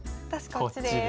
こっちです。